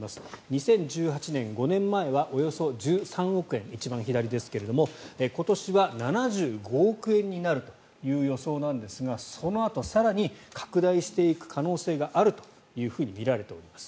２０１８年、５年前はおよそ１３億円一番左ですが今年は７５億円になるという予想なんですがそのあと更に拡大していく可能性があるとみられています。